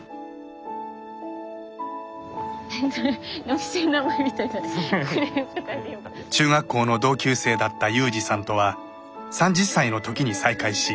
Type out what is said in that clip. やっぱり中学校の同級生だった裕二さんとは３０歳のときに再会し結婚。